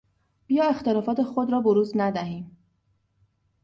بیا اختلافات خود را بروز ندهیم.